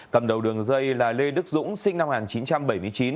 cầm đầu đường dây là lê đức dũng sinh năm một nghìn chín trăm bảy mươi chín